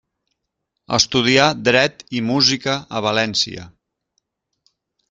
Estudià dret i música a València.